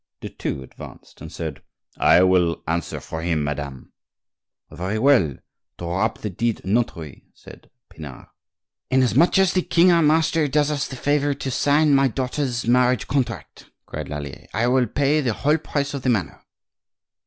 De Thou advanced and said: "I will answer for him, madame." "Very well; draw up the deed, notary," said Pinard. "Inasmuch as the king our master does us the favor to sign my daughter's marriage contract," cried Lallier, "I will pay the whole price of the manor."